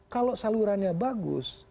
kalau salurannya bagus